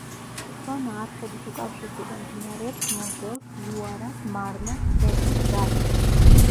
სონა არხებით უკავშირდება მდინარეებს მოზელს, ლუარას, მარნას, სენას, რაინს.